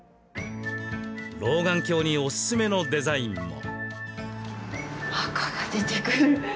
老眼鏡に、おすすめのデザインも。